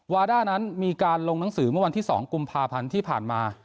วาด้านั้นมีการลงหนังสือเมื่อวันที่๒กุมภาพันธ์ที่ผ่านมา